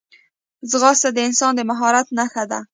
ځغاسته د انسان د مهارت نښه ده